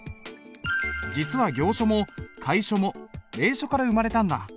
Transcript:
実は行書も楷書も隷書から生まれたんだ。